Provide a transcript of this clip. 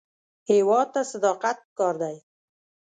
هېواد ته صداقت پکار دی